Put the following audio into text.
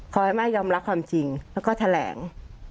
ขอให้แม่ยอมรับความจริงแล้วก็แถลง